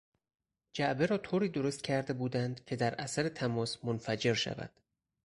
جعبه را طوری درستکرده بودند که در اثر تماس منفجر شود.